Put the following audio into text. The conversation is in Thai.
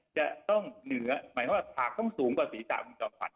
จะต้องเหนือหมายว่าผากต้องสูงกว่าศีรษะคุณจอมขวัญ